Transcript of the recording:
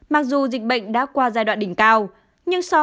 mặc dù dịch bệnh đã qua giai đoạn đỉnh cao